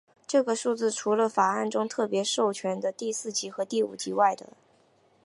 这个数字是除了法案中特别授权的第四级和第五级外的。